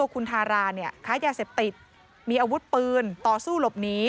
ค้ายาเสพติดมีอาวุธปืนต่อสู้หลบนี้